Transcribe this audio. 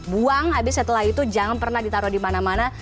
buang habis setelah itu jangan pernah ditaruh di mana mana